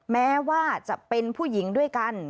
แม้ว่าจะเป็นผู้หญิงด้วยกัน